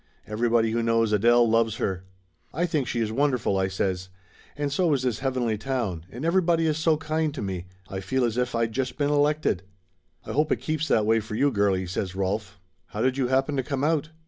Everybody who knows Adele loves her." "I think she is wonderful!" I says. "And so is this heavenly town, and everybody is so kind to me. I feel as if I'd just been elected." "I hope it keeps that way for you, girlie!" says Rolf. "How did you happen to come out?"